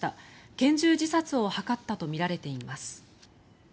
拳銃自殺を図ったとみられています。